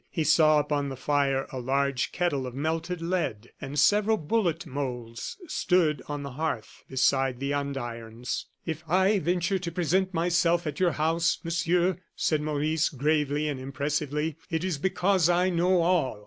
He saw upon the fire a large kettle of melted lead, and several bullet moulds stood on the hearth, beside the andirons. "If I venture to present myself at your house, Monsieur," said Maurice, gravely and impressively, "it is because I know all.